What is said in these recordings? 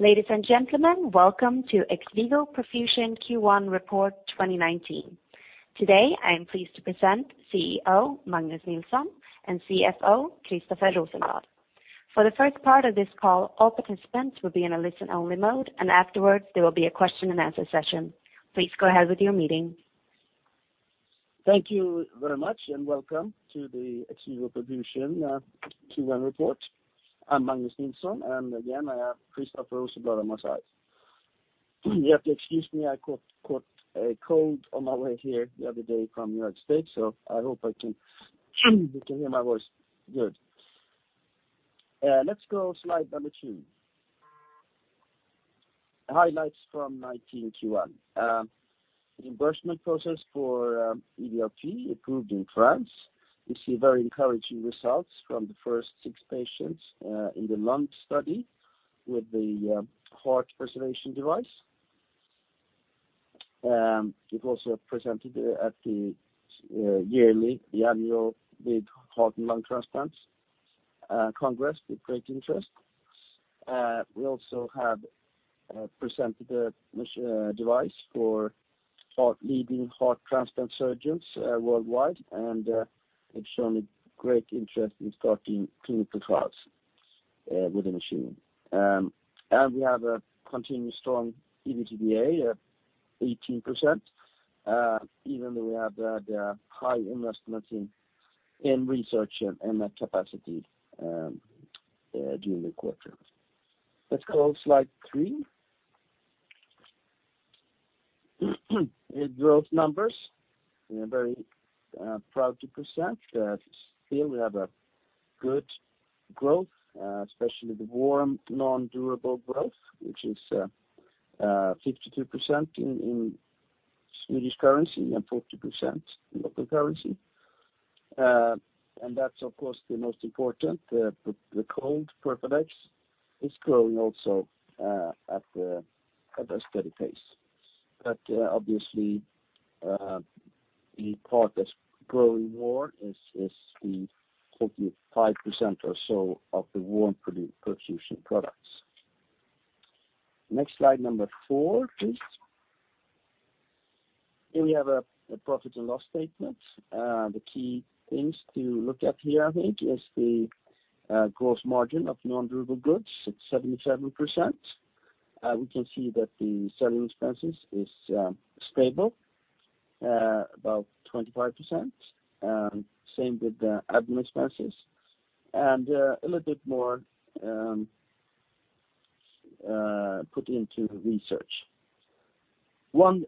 Ladies and gentlemen, welcome to XVIVO Perfusion Q1 Report 2019. Today, I am pleased to present CEO Magnus Nilsson and CFO Christoffer Rosenblad. For the first part of this call, all participants will be in a listen-only mode, and afterwards, there will be a question-and-answer session. Please go ahead with your meeting. Thank you very much, and welcome to the XVIVO Perfusion Q1 Report. I'm Magnus Nilsson, and again, I have Christoffer Rosenblad on my side. You have to excuse me. I caught a cold on my way here the other day from the United States, so I hope you can hear my voice. Good. Let's go to slide number two. Highlights from Q1 2019. The endorsement process for EVLP approved in France. You see very encouraging results from the first six patients in the heart study with the heart preservation device. We've also presented at the annual ISHLT Congress with great interest. We also have presented a device for leading heart transplant surgeons worldwide, and it's shown a great interest in starting clinical trials with the machine. We have a continued strong EBITDA of 18%, even though we have had high investments in research and capacity during the quarter. Let's go to slide three. The growth numbers. We are very proud to present that still we have a good growth, especially the warm non-durable growth, which is 52% in Swedish currency and 40% in local currency. And that's, of course, the most important. The Perafadex is growing also at a steady pace. But obviously, the part that's growing more is the 45% or so of the warm perfusion products. Next slide, number four, please. Here we have a profit and loss statement. The key things to look at here, I think, is the gross margin of non-durable goods. It's 77%. We can see that the selling expenses are stable, about 25%. Same with the admin expenses, and a little bit more put into research. One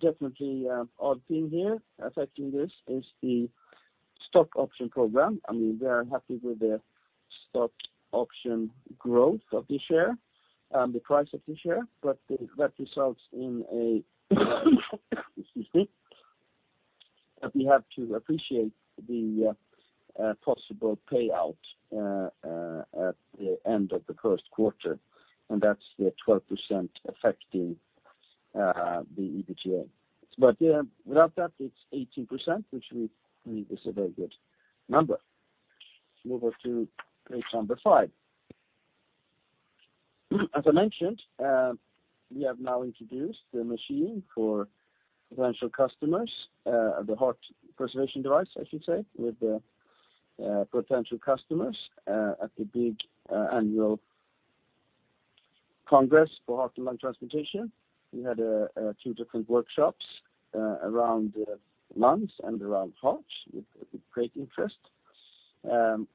definitely odd thing here affecting this is the stock option program. I mean, we are happy with the stock option growth of the share and the price of the share, but that results in a, excuse me, that we have to appreciate the possible payout at the end of the first quarter. And that's the 12% affecting the EBITDA. But without that, it's 18%, which we believe is a very good number. Let's move on to page number five. As I mentioned, we have now introduced the machine for potential customers, the heart preservation device, I should say, with potential customers at the big annual congress for heart and lung transplantation. We had two different workshops around lungs and around heart with great interest. The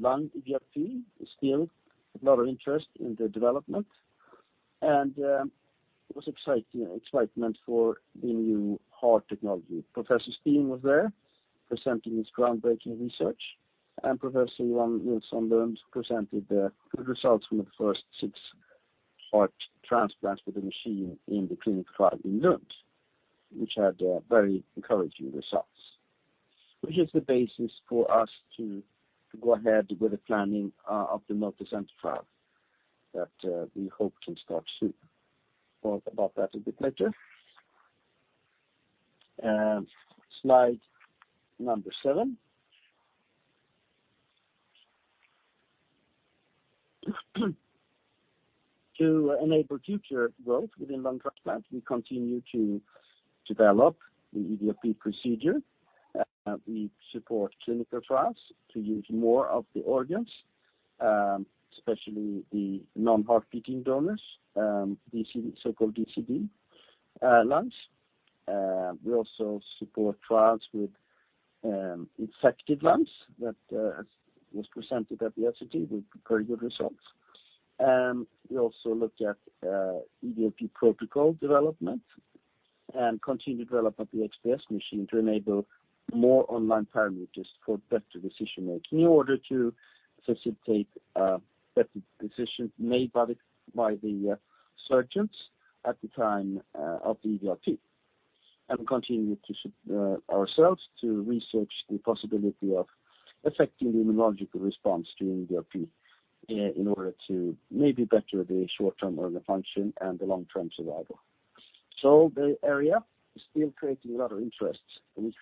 lung EVLP is still a lot of interest in the development, and it was excitement for the new heart technology. Professor Steen was there presenting his groundbreaking research, and Professor Johan Nilsson presented the results from the first six heart transplants with the machine in the clinical trial in Lund, which had very encouraging results, which is the basis for us to go ahead with the planning of the multicenter trial that we hope can start soon. More about that a bit later. Slide number seven. To enable future growth within lung transplant, we continue to develop the EVLP procedure. We support clinical trials to use more of the organs, especially the non-heart-beating donors, the so-called DCD lungs. We also support trials with infected lungs that were presented at the ISHLT with very good results. We also looked at EVLP protocol development and continued development of the XPS machine to enable more online parameters for better decision-making in order to facilitate better decisions made by the surgeons at the time of the EVLP, and we continue ourselves to research the possibility of affecting the immunological response during EVLP in order to maybe better the short-term organ function and the long-term survival, so the area is still creating a lot of interest, which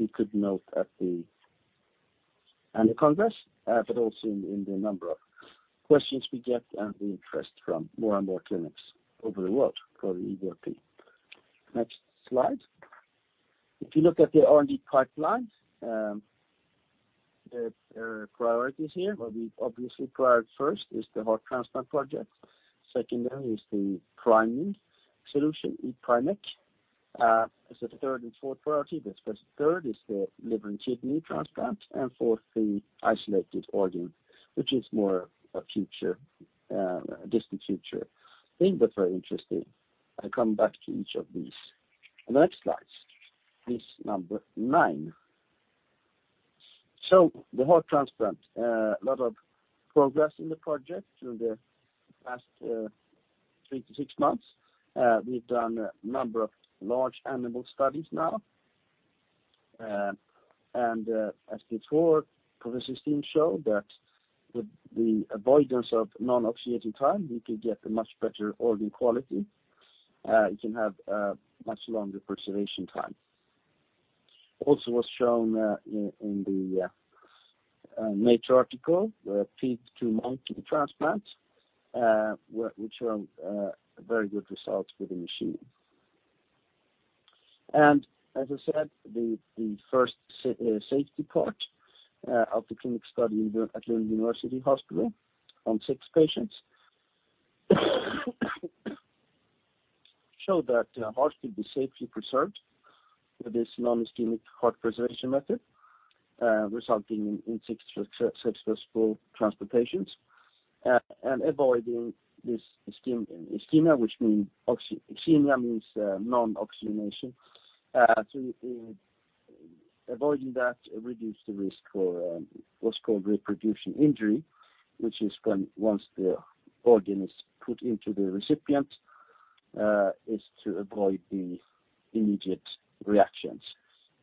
we could note at the annual congress, but also in the number of questions we get and the interest from more and more clinics over the world for the EVLP. Next slide. If you look at the R&D pipeline, the priorities here, what we obviously prioritize first is the heart transplant project. Secondary is the priming solution, PrimECC. It's the third and fourth priority. The third is the liver and kidney transplant, and fourth, the isolated organ, which is more a future, distant future thing, but very interesting. I'll come back to each of these. Next slide. This is number nine, so the heart transplant, a lot of progress in the project in the past three to six months. We've done a number of large animal studies now, and as before, Professor Steen showed that with the avoidance of non-ischemic time, you can get a much better organ quality. You can have a much longer preservation time. Also was shown in the Nature article, the pig-to-monkey transplant, which showed very good results with the machine. As I said, the first safety part of the clinical study at Lund University Hospital on six patients showed that the heart could be safely preserved with this non-ischemic heart preservation method, resulting in six successful transplantations and avoiding this ischemia, which means non-oxygenation. Avoiding that reduced the risk for what's called reperfusion injury, which is when once the organ is put into the recipient, is to avoid the immediate reactions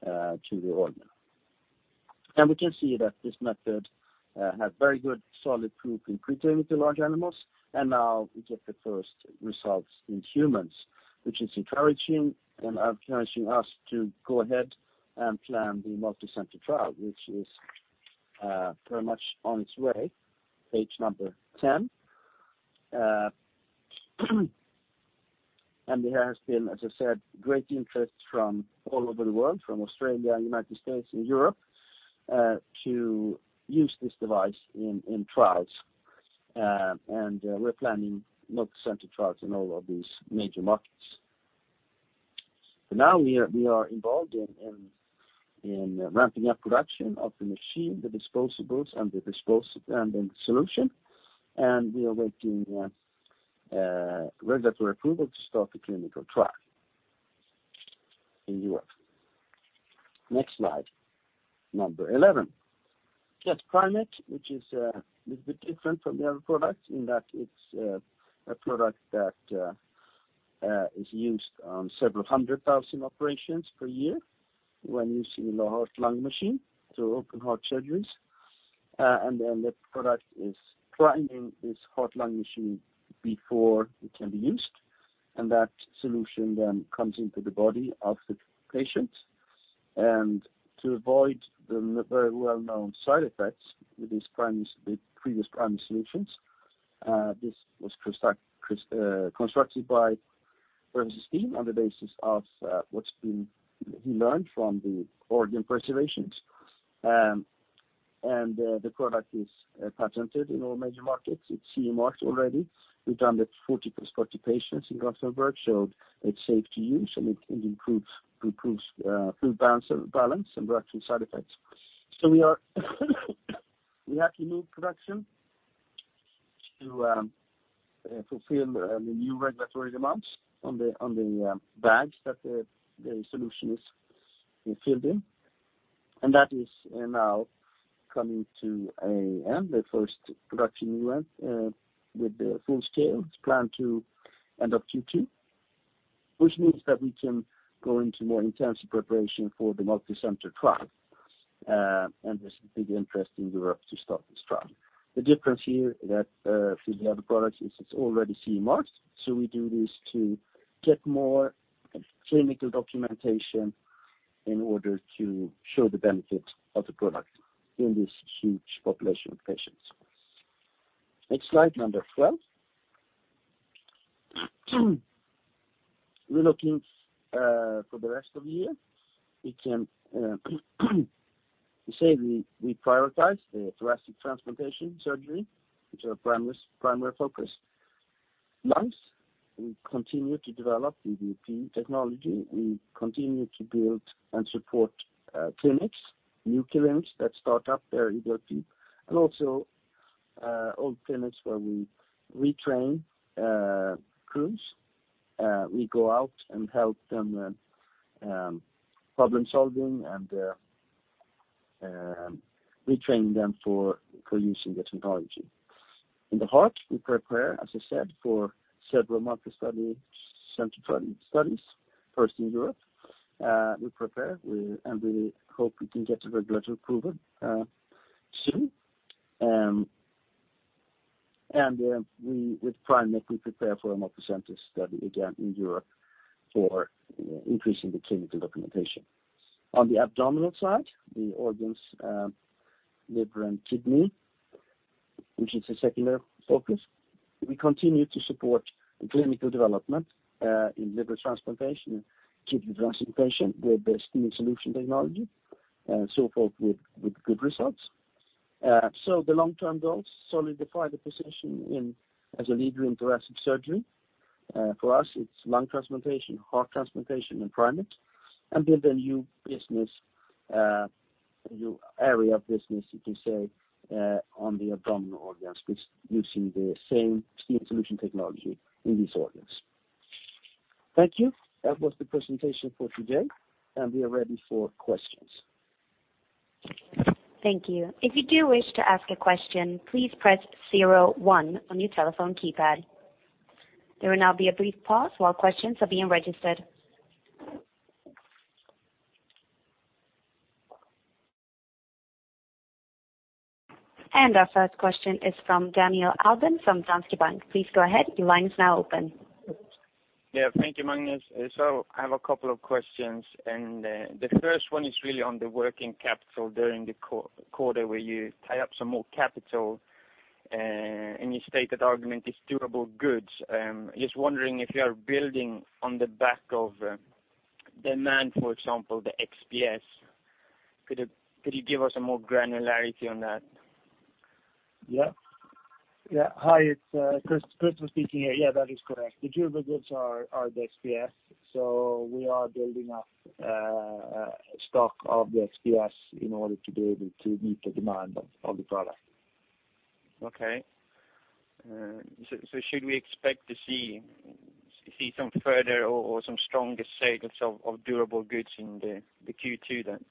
to the organ. We can see that this method had very good solid proof in preclinical with the large animals, and now we get the first results in humans, which is encouraging, and encouraging us to go ahead and plan the multicenter trial, which is very much on its way. Page number 10. There has been, as I said, great interest from all over the world, from Australia, United States, and Europe, to use this device in trials. We're planning multicenter trials in all of these major markets. Now we are involved in ramping up production of the machine, the disposables, and the solution, and we are waiting regulatory approval to start the clinical trial in Europe. Next slide. Number 11. That's PrimECC, which is a little bit different from the other products in that it's a product that is used on several hundred thousand operations per year when using the heart-lung machine to open heart surgeries. Then the product is priming this heart-lung machine before it can be used, and that solution then comes into the body of the patient. To avoid the very well-known side effects with these previous PrimECC solutions, this was constructed by Professor Steen on the basis of what he learned from the organ preservations. The product is patented in all major markets. It's CE marked already. We've done it 40 plus 40 patients in Gothenburg, showed it's safe to use, and it improves fluid balance and reduction side effects. We had to move production to fulfill the new regulatory demands on the bags that the solution is filled in. That is now coming to an end, the first production event with the full scale. It's planned to end up Q2, which means that we can go into more intensive preparation for the multicenter trial. There's a big interest in Europe to start this trial. The difference here that we have a product is it's already CE marked, so we do this to get more clinical documentation in order to show the benefit of the product in this huge population of patients. Next slide, number 12. We're looking for the rest of the year. We can say we prioritize the thoracic transplantation surgery, which is our primary focus. Lungs, we continue to develop the EVLP technology. We continue to build and support clinics, new clinics that start up their EVLP, and also old clinics where we retrain crews. We go out and help them with problem-solving and retraining them for using the technology. In the heart, we prepare, as I said, for several multicenter studies first in Europe. We prepare, and we hope we can get the regulatory approval soon. And with PrimECC, we prepare for a multicenter study again in Europe for increasing the clinical documentation. On the abdominal side, the organs, liver, and kidney, which is a secondary focus. We continue to support clinical development in liver transplantation and kidney transplantation with the Steen Solution technology, and so forth with good results. So the long-term goals, solidify the position as a leader in thoracic surgery. For us, it's lung transplantation, heart transplantation, and PrimECC, and build a new business, a new area of business, you can say, on the abdominal organs, using the same Steen Solution technology in these organs. Thank you. That was the presentation for today, and we are ready for questions. Thank you. If you do wish to ask a question, please press 01 on your telephone keypad. There will now be a brief pause while questions are being registered. Our first question is from Daniel Albin from Danske Bank. Please go ahead. Your line is now open. Yeah, thank you, Magnus. So I have a couple of questions, and the first one is really on the working capital during the quarter where you tie up some more capital, and you state that argument is durable goods. Just wondering if you are building on the back of demand, for example, the XPS. Could you give us more granularity on that? Yeah. Hi, it's Christoffer speaking here. Yeah, that is correct. The durable goods are the XPS, so we are building up stock of the XPS in order to be able to meet the demand of the product. Okay. So should we expect to see some further or some stronger sales of durable goods in the Q2 then?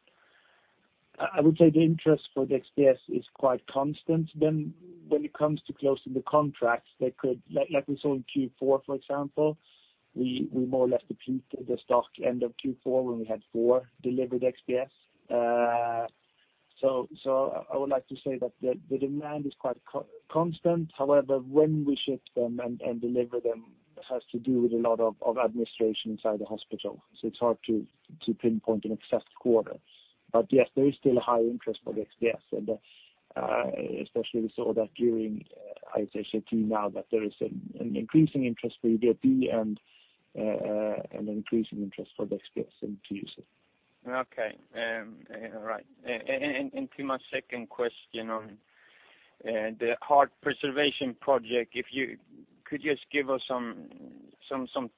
I would say the interest for the XPS is quite constant. Then when it comes to closing the contracts, they could, like we saw in Q4, for example, we more or less depleted the stock end of Q4 when we had four delivered XPS. So I would like to say that the demand is quite constant. However, when we ship them and deliver them has to do with a lot of administration inside the hospital, so it's hard to pinpoint an exact quarter. But yes, there is still a high interest for the XPS, and especially we saw that during ISHLT now that there is an increasing interest for EVLP and an increasing interest for the XPS into usage. Okay. All right. And to my second question on the heart preservation project, could you just give us some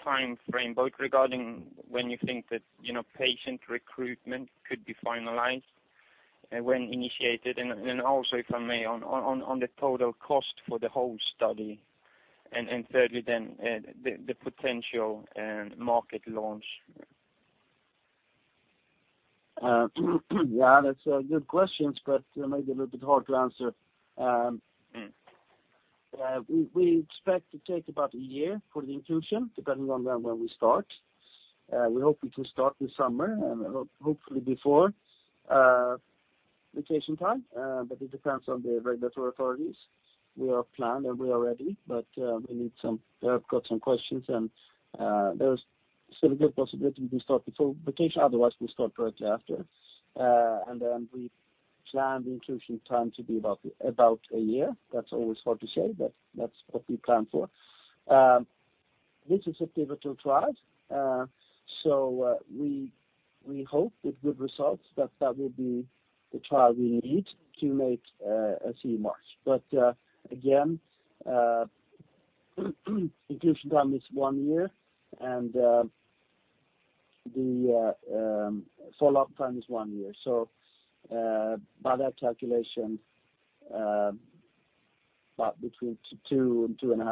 time frame, both regarding when you think that patient recruitment could be finalized when initiated, and also if I may, on the total cost for the whole study, and thirdly then the potential market launch? Yeah, that's good questions, but maybe a little bit hard to answer. We expect to take about a year for the inclusion, depending on when we start. We hope we can start this summer and hopefully before vacation time, but it depends on the regulatory authorities. We are planned and we are ready, but we need some. We've got some questions, and there's still a good possibility we can start before vacation. Otherwise, we'll start directly after. And then we plan the inclusion time to be about a year. That's always hard to say, but that's what we plan for. This is a pivotal trial, so we hope with good results that that will be the trial we need to make a CE mark. But again, inclusion time is one year, and the follow-up time is one year. By that calculation, about between two and two and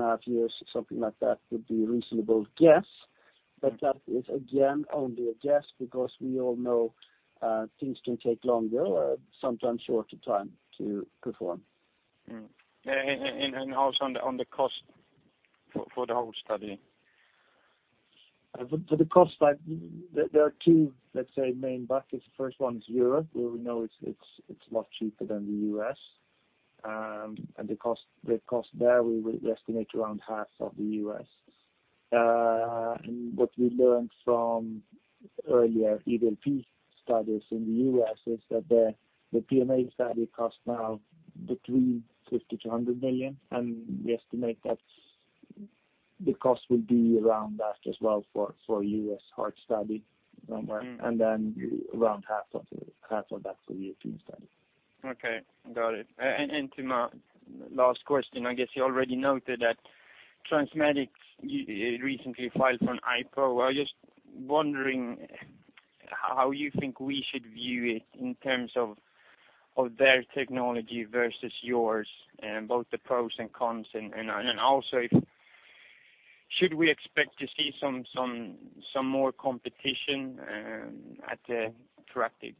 a half years, something like that would be a reasonable guess. But that is again only a guess because we all know things can take longer, sometimes shorter time to perform. And also on the cost for the whole study? For the cost, there are two, let's say, main buckets. The first one is Europe, where we know it's a lot cheaper than the U.S. And the cost there, we estimate around half of the U.S. And what we learned from earlier EVLP studies in the U.S. is that the PMA study costs now between $50-100 million, and we estimate that the cost will be around that as well for U.S. heart study somewhere, and then around half of that for European study. Okay. Got it. And to my last question, I guess you already noted that TransMedics recently filed for an IPO. I was just wondering how you think we should view it in terms of their technology versus yours, both the pros and cons, and also should we expect to see some more competition at the interactive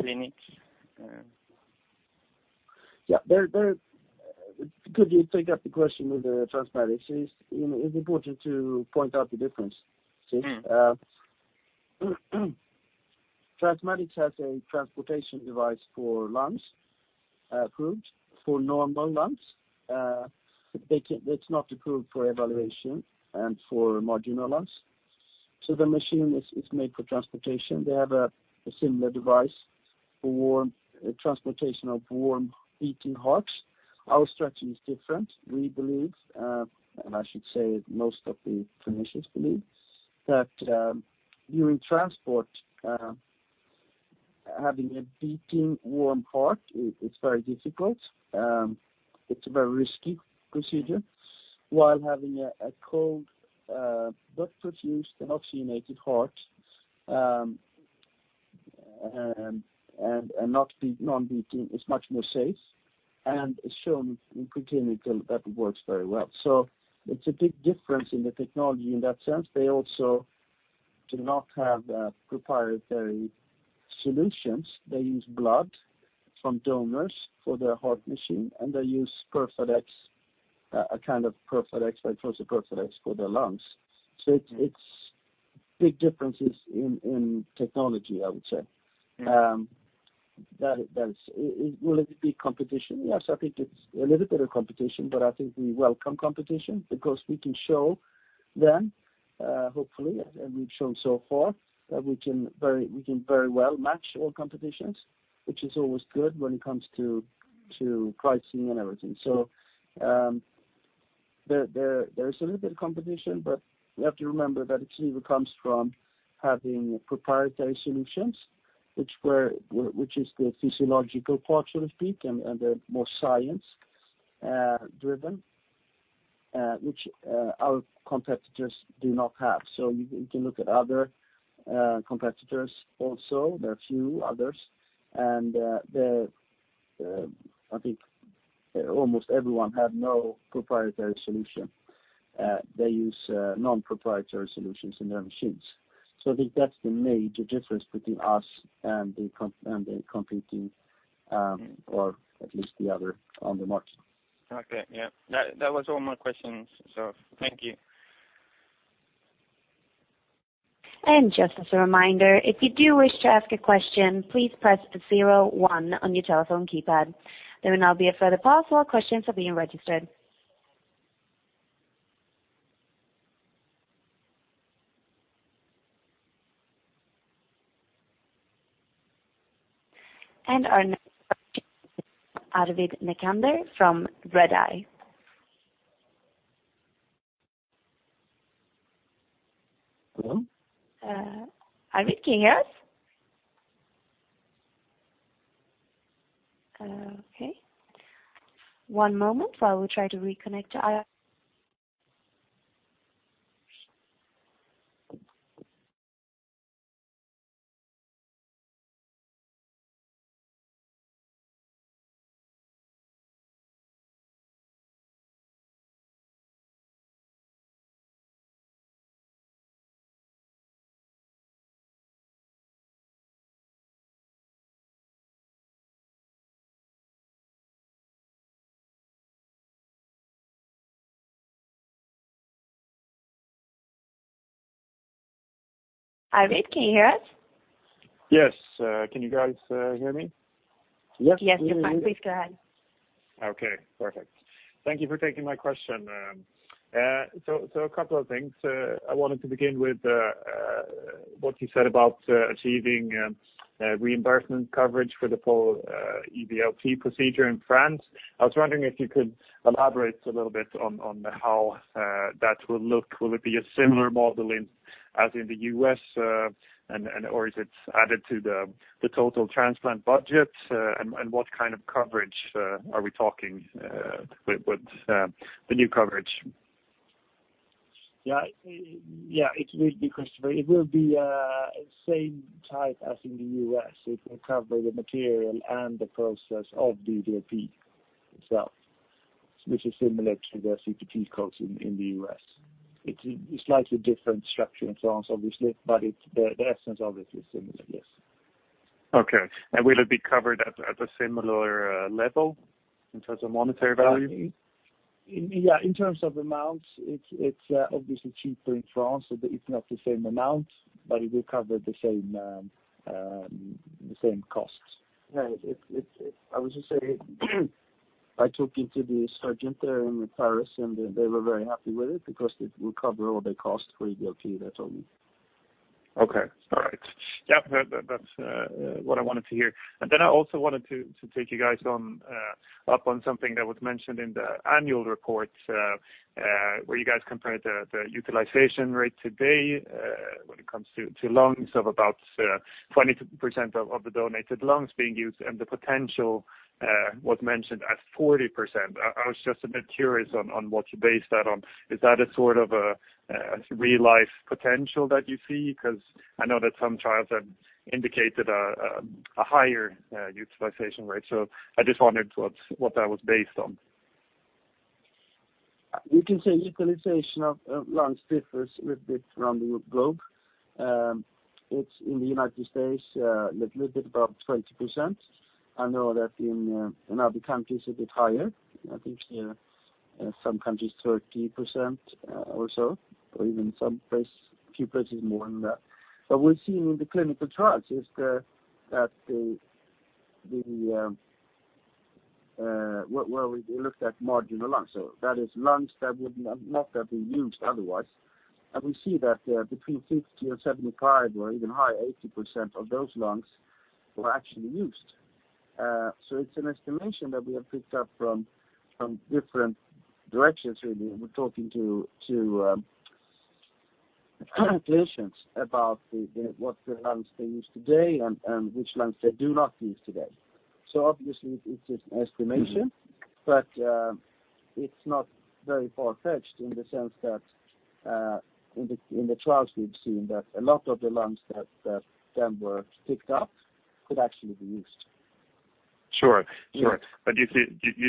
clinics? Yeah. Could you take up the question with the TransMedics? It's important to point out the difference. TransMedics has a transportation device for lungs approved for normal lungs. It's not approved for evaluation and for marginal lungs. So the machine is made for transportation. They have a similar device for transportation of warm beating hearts. Our strategy is different. We believe, and I should say most of the clinicians believe, that during transport, having a beating warm heart, it's very difficult. It's a very risky procedure. While having a cold blood perfused, an oxygenated heart, and not beating, it's much more safe, and it's shown clinically that it works very well. So it's a big difference in the technology in that sense. They also do not have proprietary solutions. They use blood from donors for their heart machine, and they use Perfadex, a kind of Perfadex, Vitrolife's Perfadex for their lungs. So it's big differences in technology, I would say. Will it be competition? Yes, I think it's a little bit of competition, but I think we welcome competition because we can show then, hopefully, as we've shown so far, that we can very well match all competitions, which is always good when it comes to pricing and everything. So there is a little bit of competition, but we have to remember that it's really comes from having proprietary solutions, which is the physiological part, so to speak, and the more science-driven, which our competitors do not have. So you can look at other competitors also. There are a few others. And I think almost everyone has no proprietary solution. They use non-proprietary solutions in their machines. So I think that's the major difference between us and the competing, or at least the other on the market. Okay. Yeah. That was all my questions, so thank you. And just as a reminder, if you do wish to ask a question, please press 01 on your telephone keypad. There will now be a further pause, while questions are being registered. And our next speaker is Arvid Necander from Redeye. Hello? Arvid, can you hear us? Okay. One moment while we try to reconnect to Arvid. Arvid, can you hear us? Yes. Can you guys hear me? Yes. Yes, you're fine. Please go ahead. Okay. Perfect. Thank you for taking my question. A couple of things. I wanted to begin with what you said about achieving reimbursement coverage for the whole EVLP procedure in France. I was wondering if you could elaborate a little bit on how that will look. Will it be a similar model as in the US, or is it added to the total transplant budget, and what kind of coverage are we talking with the new coverage? Yeah. Yeah, it will be Christopher. It will be the same type as in the U.S. It will cover the material and the process of the EVLP itself, which is similar to the CPT codes in the U.S. It's a slightly different structure in France, obviously, but the essence, obviously, is similar, yes. Okay. And will it be covered at a similar level in terms of monetary value? Yeah. In terms of amount, it's obviously cheaper in France, so it's not the same amount, but it will cover the same cost. I was just saying I talked to the surgeon there in Paris, and they were very happy with it because it will cover all their cost for EVLP, they told me. Okay. All right. Yeah, that's what I wanted to hear. And then I also wanted to take you guys up on something that was mentioned in the annual reports where you guys compared the utilization rate today when it comes to lungs of about 20% of the donated lungs being used, and the potential was mentioned as 40%. I was just a bit curious on what you based that on. Is that a sort of a real-life potential that you see? Because I know that some trials have indicated a higher utilization rate. So I just wondered what that was based on. You can say utilization of lungs differs a little bit from the globe. It's in the United States a little bit about 20%. I know that in other countries, a bit higher. I think some countries, 30% or so, or even a few places more than that. But we've seen in the clinical trials is that where we looked at marginal lungs, so that is lungs that would not have been used otherwise. And we see that between 50% and 75% or even high 80% of those lungs were actually used. So it's an estimation that we have picked up from different directions, really. We're talking to clinicians about what lungs they use today and which lungs they do not use today. So obviously, it's just an estimation, but it's not very far-fetched in the sense that in the trials we've seen that a lot of the lungs that then were picked up could actually be used. Sure. Sure. But you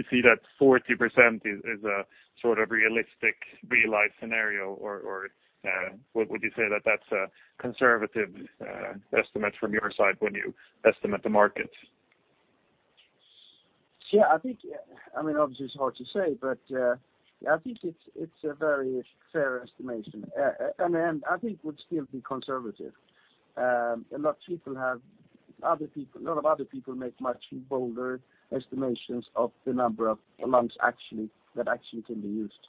see that 40% is a sort of realistic real-life scenario, or would you say that that's a conservative estimate from your side when you estimate the market? Yeah. I mean, obviously, it's hard to say, but I think it's a very fair estimation. And I think it would still be conservative. A lot of people have a lot of other people make much bolder estimations of the number of lungs that actually can be used.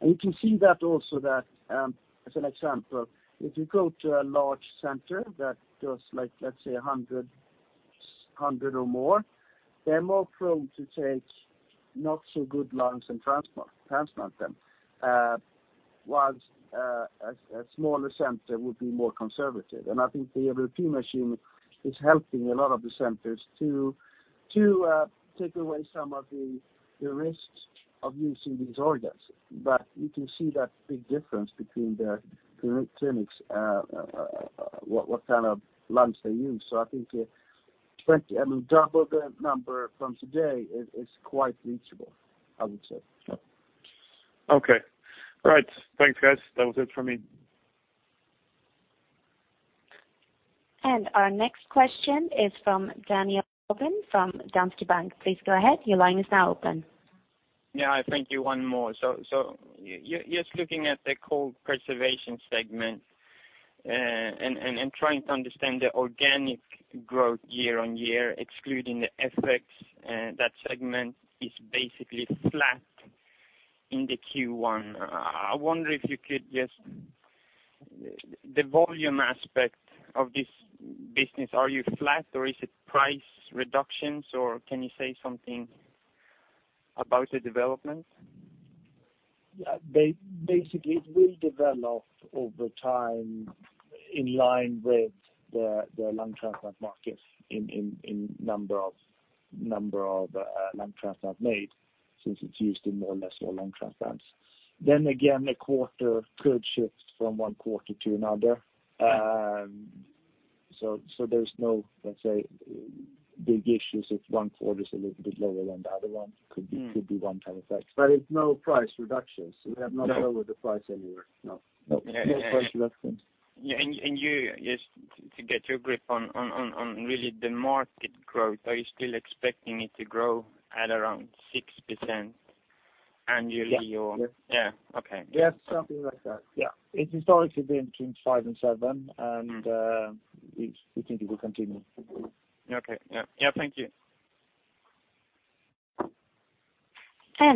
And you can see that also that, as an example, if you go to a large center that does, let's say, 100 or more, they're more prone to take not-so-good lungs and transplant them, while a smaller center would be more conservative. And I think the EVLP machine is helping a lot of the centers to take away some of the risk of using these organs. But you can see that big difference between the clinics, what kind of lungs they use. So I think double the number from today is quite reachable, I would say. Okay. All right. Thanks, guys. That was it for me. And our next question is from Daniel Albin from Danske Bank. Please go ahead. Your line is now open. Yeah. I think one more, so just looking at the cold preservation segment and trying to understand the organic growth year on year, excluding acquisitions, that segment is basically flat in the Q1. I wonder if you could just the volume aspect of this business, are you flat, or is it price reductions, or can you say something about the development? Yeah. Basically, it will develop over time in line with the lung transplant market in number of lung transplants made since it's used in more or less all lung transplants. Then again, a quarter could shift from one quarter to another. So there's no, let's say, big issues if one quarter is a little bit lower than the other one. It could be one kind of effect. But it's no price reductions. We have not lowered the price anywhere. No. No price reductions. Just to get your grip on really the market growth, are you still expecting it to grow at around 6% annually? Yes. Yeah. Okay. Yes, something like that. Yeah. It's historically been between five and seven, and we think it will continue. Okay. Yeah. Yeah. Thank you.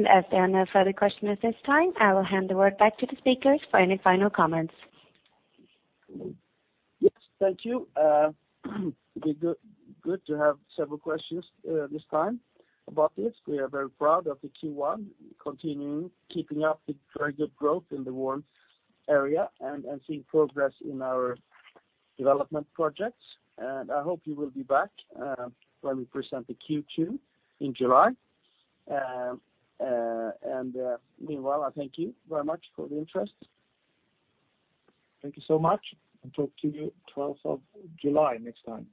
As there are no further questions at this time, I will hand the word back to the speakers for any final comments. Yes. Thank you. It's been good to have several questions this time about this. We are very proud of the Q1, continuing keeping up with very good growth in the warm area and seeing progress in our development projects, and I hope you will be back when we present the Q2 in July. And meanwhile, I thank you very much for the interest. Thank you so much, and talk to you 12th of July next time.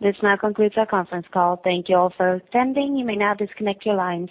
This now concludes our conference call. Thank you all for attending. You may now disconnect your lines.